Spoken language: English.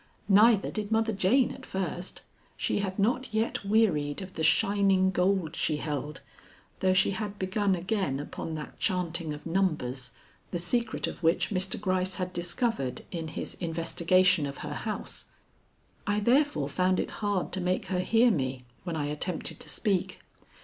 Neither did Mother Jane at first. She had not yet wearied of the shining gold she held, though she had begun again upon that chanting of numbers the secret of which Mr. Gryce had discovered in his investigation of her house. I therefore found it hard to make her hear me when I attempted to speak.